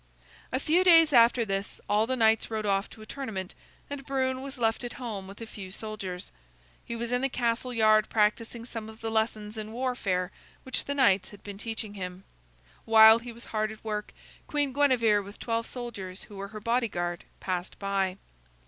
A few days after this all the knights rode off to a tournament and Brune was left at home with a few soldiers. He was in the castle yard practicing some of the lessons in warfare which the knights had been teaching him. While he was hard at work, Queen Guinevere with twelve soldiers who were her bodyguard passed by.